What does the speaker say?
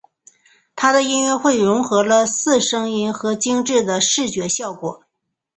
他的音乐会融合了四声音和精致的视觉效果。